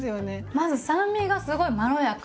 まず酸味がすごいまろやか。